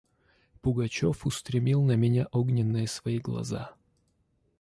Пугачев устремил на меня огненные свои глаза.